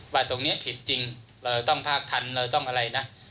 ว่าตรงนี้ผิดจริงเราต้องภาคทันเราต้องอะไรนะ